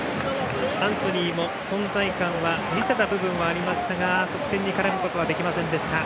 アントニーも存在感を見せた部分はありますが得点に絡むことはできませんでした。